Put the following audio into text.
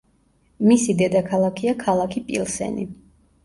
მისი დედაქალაქია ქალაქი პილსენი.